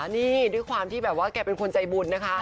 นี่ด้วยความที่แบบว่าแกเป็นคนใจบุญนะคะ